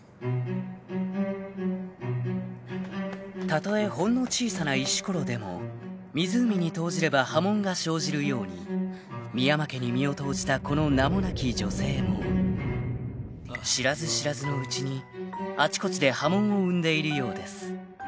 ［たとえほんの小さな石ころでも湖に投じれば波紋が生じるように深山家に身を投じたこの名もなき女性も知らず知らずのうちにあちこちで波紋を生んでいるようです］